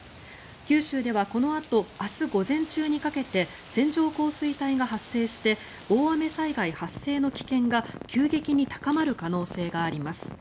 九州ではこのあと明日午前中にかけて線状降水帯が発生して大雨災害発生の危険が急激に高まる可能性があります。